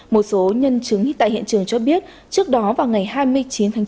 một số nhân chứng tại hiện trường cho biết trước đó vào ngày hai mươi chín tháng chín